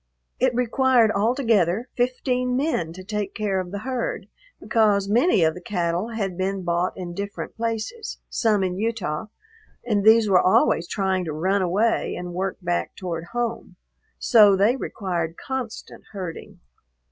It required, altogether, fifteen men to take care of the herd, because many of the cattle had been bought in different places, some in Utah, and these were always trying to run away and work back toward home, so they required constant herding.